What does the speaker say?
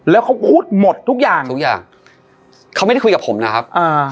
แล้วเขาพูดหมดทุกอย่างทุกอย่างเขาไม่ได้คุยกับผมนะครับอ่า